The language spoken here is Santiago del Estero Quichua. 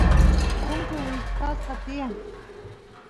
punku wichqasqa tiyan